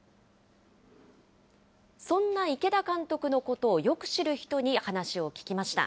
そんな池田監督のことをよく知る人に話を聞きました。